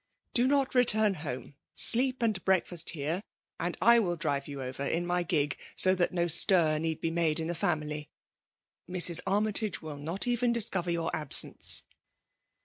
Do Bot return home ; sleep and breakfast here, and I will drive you over in my gig, so that no stjr need be made in the family. Mrs. Armytage will not even discover your absence."